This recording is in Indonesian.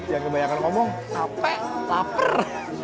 yang kebanyakan ngomong capek lapar